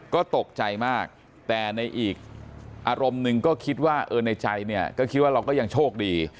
ก็ตกใจมากแต่ในอีกอารมณ์หนึ่งก็คิดว่าในใจเนี่ยก็คิดว่าเราก็ยังโชคดี